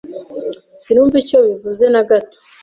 Sinumva icyo ibi bivuze na gato.